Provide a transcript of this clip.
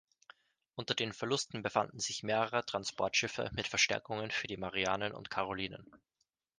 Unter den Verlusten befanden sich mehrere Transportschiffe mit Verstärkungen für die Marianen und Karolinen.